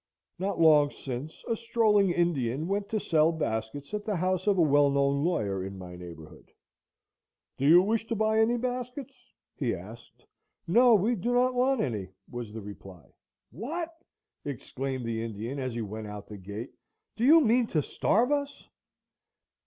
Not long since, a strolling Indian went to sell baskets at the house of a well known lawyer in my neighborhood. "Do you wish to buy any baskets?" he asked. "No, we do not want any," was the reply. "What!" exclaimed the Indian as he went out the gate, "do you mean to starve us?"